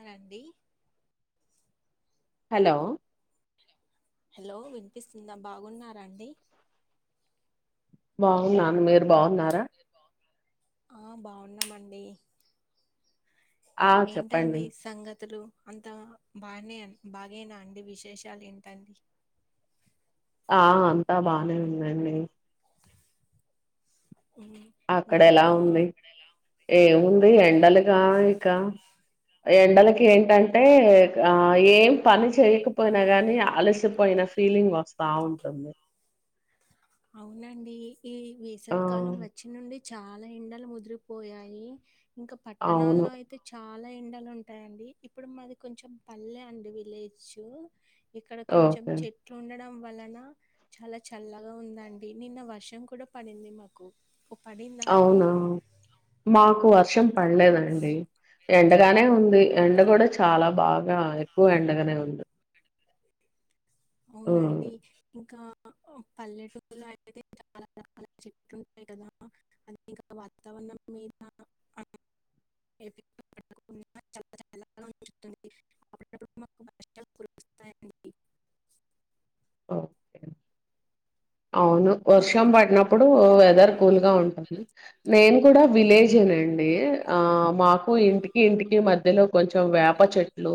అవునండి hello hello వినిపిస్తుందా బాగున్నారా అండి బాగున్నా మీరు బాగున్నారా బాగున్నామండి ఆ ఏంటండి చెప్పండి సంగతులు అంత బాగానే బాగేనా అండి విశేషాలు ఏంటండి ఆ అంతా బానే ఉందిండి ఉమ్, అక్కడ ఎలా ఇంకా ఉంది ఏముంది ఎండలుగా ఇక ఎండలకీ ఏంటంటే ఏం పని చేయకపోయినా గానీ అలసిపోయిన ఫీలింగ్ వస్తు బాగుంటుంది అవునండి ఈ ఆ వేసవికాలం వచ్చి నుండి చాలా ఎండలు ముదిరిపోయాయి ఇంకా అవును పట్టణాల్లో అయితే చాల చాలా ఎండలు ఉంటాయండి ఇప్పుడు మాది కొంచెం పల్లె అండి విలేజు ఇక్కడ కొంచెం ఓకే చెట్లు ఉండడం వలన చాలా చల్ల గా ఉందండి నిన్న వర్షం కూడా పడింది మాకు ఓ, పడిందా అండి అవునా మాకు వర్షం పలేదండి ఎండగానే ఉంది ఎండ కూడా చాలా బాగా ఎక్కువ ఎండగానే ఉంది ఉమ్, అవునండి ఇంకా పల్లెటూలో అయితే చాలా రకాల చెట్లుంటయ్ గదా అన్నీ ఇ వాతావరణం మీద పకు [unintelligible] చాలాను అప్పుడప్పుడు మాకు వర్షాలు కురిపిస్తాయండి ఓకే అవును వర్షం మీకు పట్ పడినప్పుడు వెదర్ కూల్ గా ఉంటుంది నేను కూడా విలేజ్ జెనండి ఆ మాకు ఇంటికి ఇంటికి మధ్యలో కొంచెం వేప చెట్ ట్లు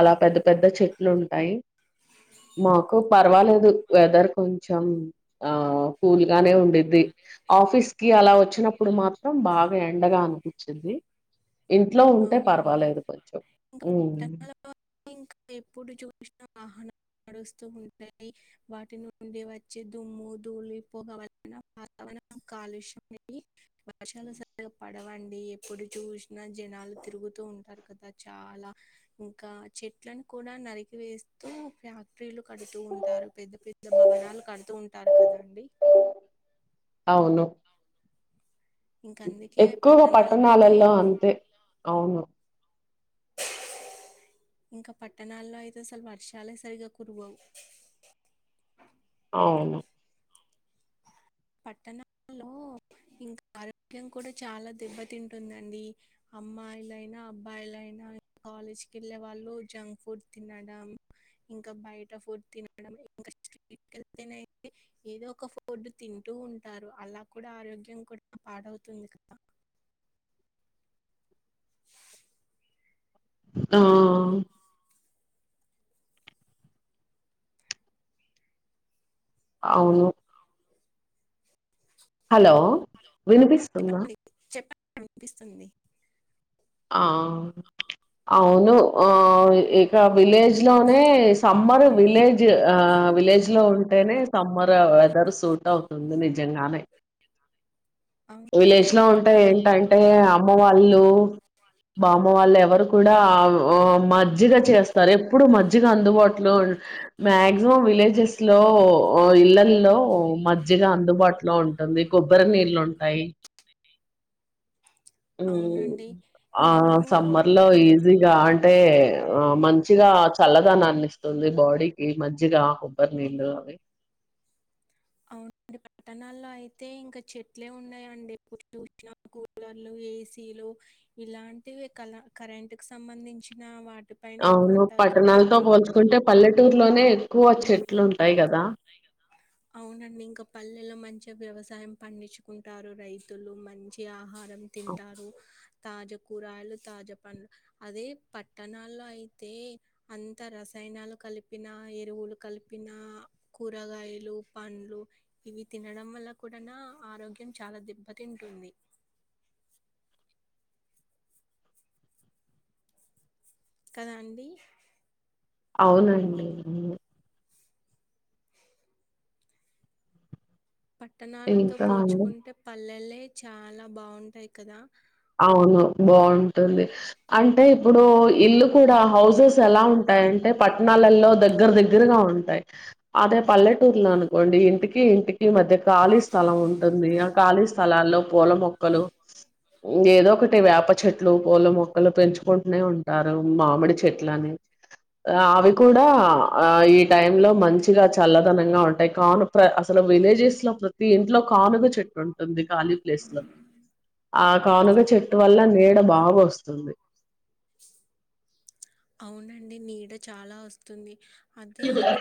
అలా పెద్ద పెద్ద చెట్లు ఉంటాయి మాకు పర్వాలేదు వెదర్ కొం చెం ఆ కూల్ గానే ఉండిది ఆఫీస్ కి అలా వచ్చినప్పుడు మాత్రం బాగా ఎండగా అనిపించింది ఇంట్లో ఉంటే పర్వాలేదు కొంచెం హ్మ్. పట్టనాల ఇంకా ఎప్పుడు చూసిన వాహనం నడుస్తూ ఉంటాయి వాటి నుండి వచ్చే దుమ్ము దూళి పోగ అవన్నీ వాహన కాలుష్యానికి వర్షాలు సరిగా పడవండి ఎప్పుడు చూసినా జనాలు తిరుగుతూ ఉంటారు కదా చాలా ఇంకా చెట్లను కూడా నరికి వేస్తూ ఫ్యాక్ట్రీలు కడుతూ ఉంటారు పెద్ద పెద్ద భవనాలు కడుతూ ఉంటారు కదండి అందుకే ఎక్కువ పట్టణాల్లో అయితే పట్టణాలలో అంతే అవును [unintelligible] ఇంకా పట్టణాల్లో అయితే అసలు వర్షాలే సరిగా కురువవు అ అవును పట్టణాలో ఇంకా ఆరోగ్యం కూడా చాలా దెబ్బతింటుందండి అమ్మాయిలయినా అబ్బాయిలైనా ఆ కాలేజ్ కెళ్ళే వాళ్ళు జంక్ ఫుడ్ తినడం ఇంకా బయట ఫుడ్ తినడం ఇంకా [unintelligible] ఏదో ఒక ఫోర్డు తింటూ ఉంటారు అలా కూడా ఆరోగ్యం కూడా పాడవుతుంది కదా [unintelligible] ఆ అవును హలో ఉమ్, వినిపిస్తుందా వినిపిస్తుంది ఆ అవును ఆ ఇక విలేజ్ లోనే సమ్మర్ విలేజ్ ఆ విలేజ్ లో ఉంటేనే సమ్మర్ గా వెదర్ సూట్ అవుతుంది నిజంగానే అవునండి ఇంకా ఏషినొ వుంటది పట్ట ఏంటంటే అమ్మ వాళ్ళు బామ్మ వాళ్ళు ఎవరు కూడా ఆ ఉ మజ్జిగ చేస్తారు ఎప్పుడు మజ్జిగ అందుబాటులో ఉం మాక్సిమం విలేజెస్ లో ఇళ్లల్లో మజ్జిగ అందుబాటులో ఉంట టుంది కొబ్బరి నీళ్ళు ఉంటాయి ఊమ్ అవునండి ఆ ఇంకా మేము సమ్మర్ లో ఈజీగా అం టే ఆ మంచిగా చల్లదనాన్నిస్తుంది బాడీకి మజ్జిగా కొబ్బరి నీళ్లు ఒయ్ అవున డ్ పట్టణాల్లో అయితే ఇంకా చెట్లే ఉండయండి ఎప్పుడు చూసిన కూలర్లు ఏసీలు ఇలాంటివి కల కరెంట్ కి సంబంధించిన వా అవును పట్టణాలతో పోల్చుకుంటే పల్లెటూరులోనే ఎక్కువ చెట్లు ఉంటాయి కదా దా అవునండి ఇంకా పల్లెలో మంచిగా వ్యవసాయం పండించుకుంటారు రైతులు మంచి ఆహార రం తింటారు తాజా కూరగాయలు తాజా పండ్లు అదే పట్టణాల్లో అయితే అంత రసాయం ఎనాలు కలిపిన ఎరువులు కలిపిన కూరగాయలు పండ్లు ఇవి తినడం వల్ల కూడాన ఆరోగ్యం చాలా దెబ్బతింటుంది కదా అండి అవునండి పట్టణాలతో ఇంకా అండి పోల్చుకుంటే పల్లెలే చాలా బాగుంటాయి కదా అవును బాగుంటుంది అంటే ఇప్పుడు ఇల్లు కూడా హౌజెస్ ఎలా ఉంటాయంటే పట్టణాలలో దగ్గర దగ్గరగా ఉంటాయి అదే పల్లెటూర్లు అనుకోండి ఇంటికి ఇంటికి మధ్య ఖాళీస్త అల ఉంటుంది ఆ ఖాళీ స్థలాల్లో పూల మొక్కలు ఏదో ఒకటి వేప చెట్లు పూల మొక్కలు పెంచుకుంటూనే ఉంటారు మామిడి చెట్లని ఆ అవి కూడా ఆ ఈ టైమ్ లో మంచిగా చల్లదనంగా ఉంటాయి కాను ప్ర అసలు విలేజెస్ లో ప్రతి ఇంట్లో కానుగ చెట్ ట్టుటుంది కాలీ ప్లేస్ లో అ కానుగ చెట్టు వల్ల నీడ బాగా వస్తుంది అండి నీడ చాలా వస్తుంది అదే ఈ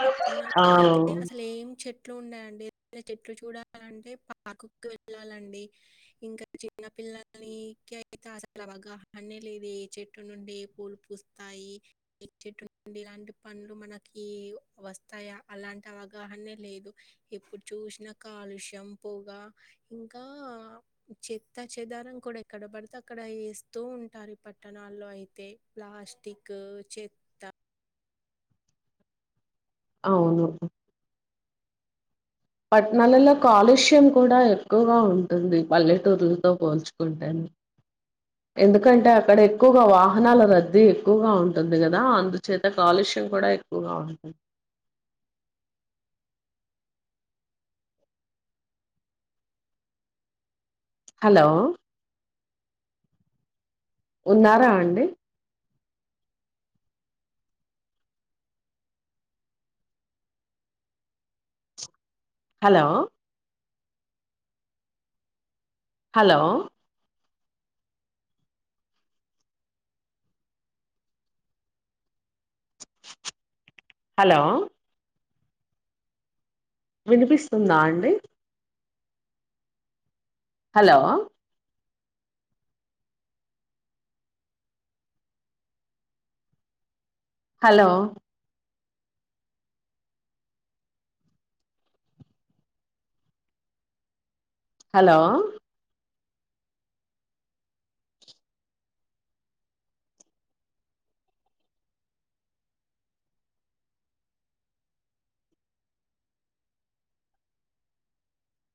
ఆ పట్టణాల్లో అయితే అసలు ఏం చెట్లు ఉండయండి చెట్లు చూడాలంటే పార్క్ కి వెళ్ళాలండి ఇంకా చిన్నపిల్లలు [unintelligible] చెట్టు నుండి ఎలాంటి పండ్లు మనకి వస్తాయా అలాంటి అవగాహనే లేదు ఎప్పుడు చూసినా కాలుష్యం పొగా ఇంకా చెత్త చెదారం కూడా ఎక్కడ బడితే అక్కడ వేస్తూ ఉంటారు పట్టణాల్లో అయితే ప్లాస్టిక్ చెత్ త అవును పట్నాలల్లో కాలుష్యం కూడా ఎక్కువగా ఉంటుంది పల్లెటూర్లతో పోల్చుకుంటే అ ఎందుకంటే అక్కడ ఎక్కువగా వాహనాల రద్దీ ఎక్కువగా ఉంటుంది కదా అందుచేత కాలుష్యం విషం కూడా ఎక్కువగా వుంటుంది అ హలో ఉన్నారా అండి హలో హలో హలో వినిపిస్తుందా అండి హలో హలో హలో